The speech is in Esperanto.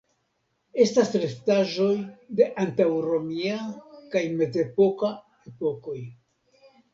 Estas restaĵoj de antaŭromia kaj mezepoka epokoj.